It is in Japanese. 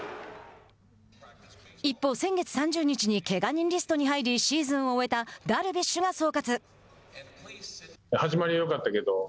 一方、先月３０日にけが人リストに入りシーズンを終えたダルビッシュが総括。